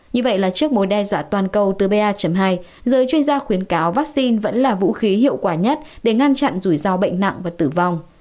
như vậy là trước mối đe dọa toàn cầu từ ba hai giới chuyên gia khuyến cáo vaccine vẫn là vũ khí hiệu quả nhất để ngăn chặn rủi ro bệnh nặng và tử vong